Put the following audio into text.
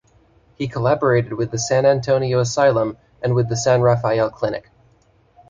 He collaborated with the San Antonio Asylum and with the San Rafael Clinic.